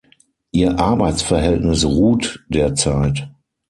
Ihr Arbeitsverhältnis ruht derzeit.